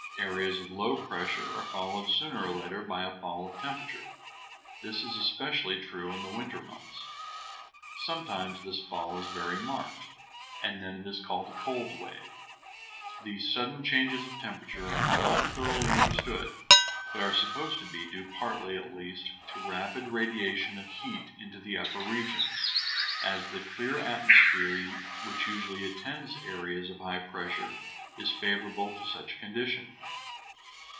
Areas of low pressure are followed sooner or later by a fall of temperature; this is especially true in the winter months. Sometimes this fall is very marked, and then it is called a cold wave. These sudden changes of temperature are not thoroughly understood, but are supposed to be due partly at least to rapid radiation of heat into the upper regions, as the clear atmosphere which usually attends areas of high pressure is favorable to such a condition.